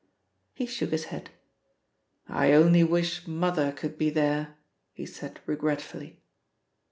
He shook his head. "I only wish Mother could be there," he said regretfully.